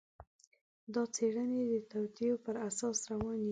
دا څېړنې د توطیو پر اساس روانې دي.